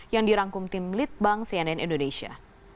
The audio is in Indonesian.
yang dirangkum tim litbang cnn indonesia